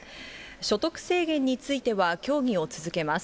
所得制限については、協議を続けます。